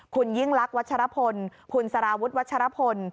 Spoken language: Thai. คุณยิ่งลักษณวัชรพลคุณสารวุฒิวัชรพล